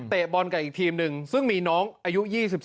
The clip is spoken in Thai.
บอลกับอีกทีมหนึ่งซึ่งมีน้องอายุ๒๒